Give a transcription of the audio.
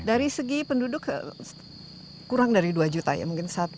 dari segi penduduk kurang dari dua juta ya mungkin